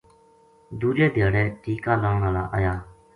دوجے دھیاڑے ٹیکہ لان ہالا آیا